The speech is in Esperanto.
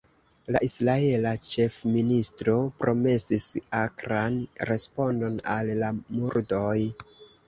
La israela ĉefministro promesis akran respondon al la murdoj.